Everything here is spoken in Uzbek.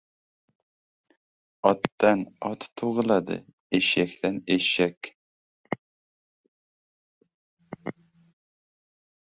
• Otdan ot tug‘iladi, eshakdan ― eshak.